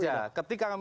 tidak tidak saja